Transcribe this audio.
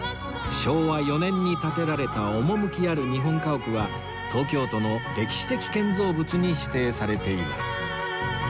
昭和４年に建てられた趣ある日本家屋は東京都の歴史的建造物に指定されています